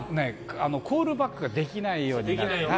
コールバックができないようになってるので。